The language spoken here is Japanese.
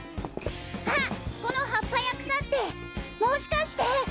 あこの葉っぱや草ってもしかして。